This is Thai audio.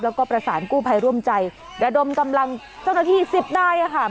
แล้วก็ประสานกู้ภัยร่วมใจระดมกำลังเจ้าหน้าที่สิบนายค่ะ